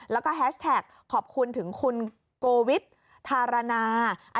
แล้วก็แฮชแท็กขอบคุณถึงคุณโกวิทธารณา